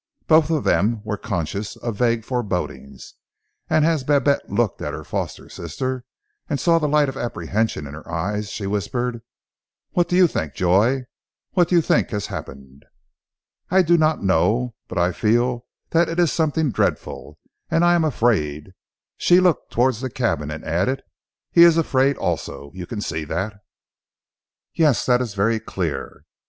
Both of them were conscious of vague forebodings, and as Babette looked at her foster sister, and saw the light of apprehension in her eyes, she whispered, "What do you think, Joy? What do you think has happened?" "I do not know, but I feel that it is something dreadful and I am afraid." She looked towards the cabin, and added, "He is afraid also. You can see that!" "Yes! That is very clear."